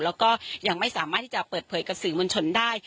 แล้วก็ยังไม่สามารถที่จะเปิดเผยกับสื่อมวลชนได้